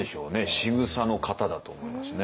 しぐさの型だと思いますね。